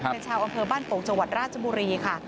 เป็นชาวอำเภอบ้านโป่งจังหวัดราชบุรีค่ะ